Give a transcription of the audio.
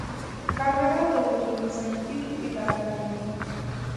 کاناډا د وتلو سرتیرو اداره لري.